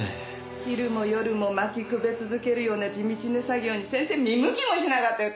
昼も夜も薪くべ続けるような地道な作業に先生見向きもしなかったよ。